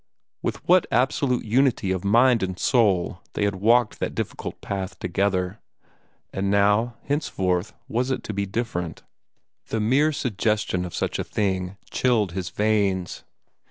With what absolute unity of mind and soul they had trod that difficult path together! And now henceforth was it to be different? The mere suggestion of such a thing chilled his veins.